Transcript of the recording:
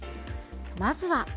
まずは。